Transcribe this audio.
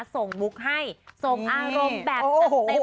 ส่งบุ๊คให้ส่งอารมณ์แบบจัดเต็ม